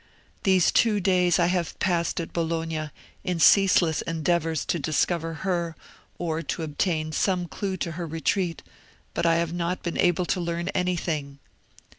These two days I have passed at Bologna, in ceaseless endeavours to discover her, or to obtain some clue to her retreat, but I have not been able to learn anything."